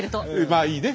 まあいいね。